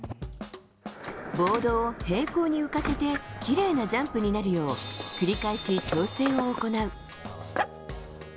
ボードを平行に浮かせてきれいなジャンプになるよう繰り返し調整を行う。